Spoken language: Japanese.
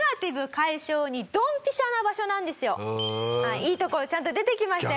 いいところちゃんと出てきましたよ